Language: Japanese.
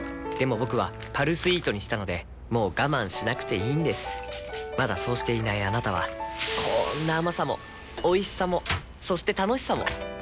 僕は「パルスイート」にしたのでもう我慢しなくていいんですまだそうしていないあなたはこんな甘さもおいしさもそして楽しさもあちっ。